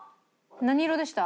何色でした？